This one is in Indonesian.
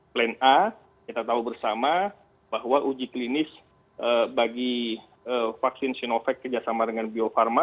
plan a kita tahu bersama bahwa uji klinis bagi vaksin sinovac kerjasama dengan bio farma